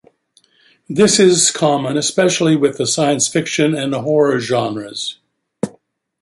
This is common especially with the science fiction and horror genres.